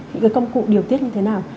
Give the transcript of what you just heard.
những cái công cụ điều tiết như thế nào